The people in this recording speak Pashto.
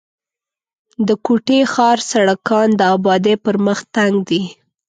د کوټي ښار سړکان د آبادۍ پر مخ تنګ دي.